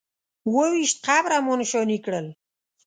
اووه ویشت قبره مو نښانې کړل.